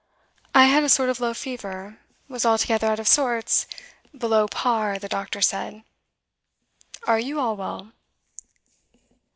'I had a sort of low fever was altogether out of sorts "below par," the doctor said. Are you all well?